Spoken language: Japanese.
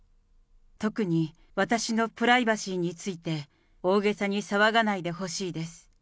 特に私のプライバシーについて大げさに騒がないでほしいです。